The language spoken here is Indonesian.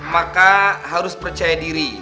maka harus percaya diri